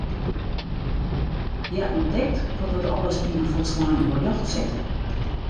Hja ûntdekt wat dat alles yn in folslein oar ljocht set.